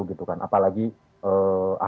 apalagi ahy selalu mendongkrak